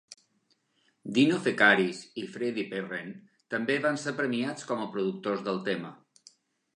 Dino Fekaris i Freddie Perren també van ser premiats com a productors del tema.